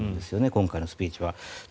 今回のスピーチは。